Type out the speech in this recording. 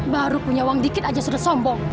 baru punya uang dikit aja sudah sombong